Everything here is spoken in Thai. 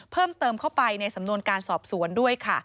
เพิ่มเติมเข้าไปในสำนวนการสอบสวนด้วยค่ะ